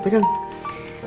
aku suka banget pak